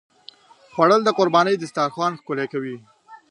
خوړل د قربانۍ دسترخوان ښکلوي